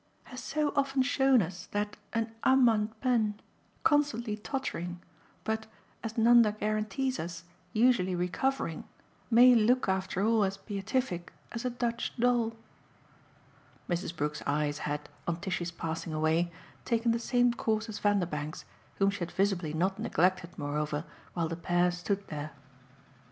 has so often shown us that an ame en peine, constantly tottering, but, as Nanda guarantees us, usually recovering, may look after all as beatific as a Dutch doll." Mrs. Brook's eyes had, on Tishy's passing away, taken the same course as Vanderbank's, whom she had visibly not neglected moreover while the pair stood there.